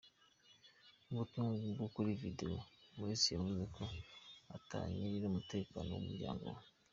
Mu butumwa bwo kuri video, Masih yavuze atanyirira umutekano w'umuryango wiwe.